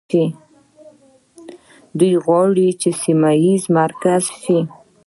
دوی غواړي چې سیمه ییز مرکز شي.